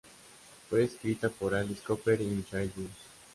Fue escrita por Alice Cooper y Michael Bruce.